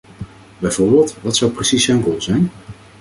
Bijvoorbeeld, wat zou precies zijn rol zijn?